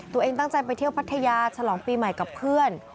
ตัวเองตั้งใจไปเที่ยวพัทยาฉลองปีใหม่กับเพื่อน